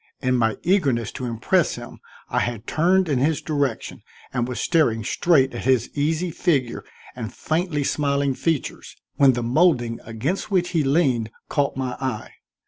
In my eagerness to impress him I had turned in his direction, and was staring straight at his easy figure and faintly smiling features, when the molding against which he leaned caught my eye.